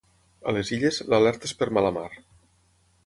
A les Illes, l’alerta és per mala mar.